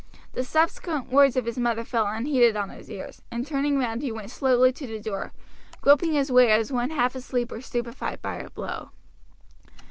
The subsequent words of his mother fell unheeded on his ears, and turning round he went slowly to the door, groping his way as one half asleep or stupefied by a blow.